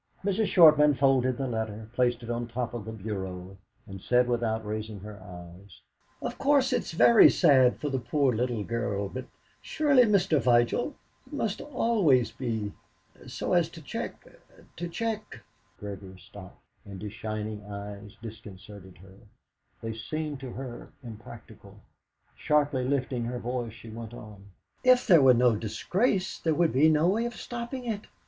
Mrs. Shortman folded the letter, placed it on the top of the bureau, and said without raising her eyes "Of course, it is very sad for the poor little girl; but surely, Mr. Vigil, it must always be, so as to check, to check " Gregory stopped, and his shining eyes disconcerted her; they seemed to her unpractical. Sharply lifting her voice, she went on: "If there were no disgrace, there would be no way of stopping it.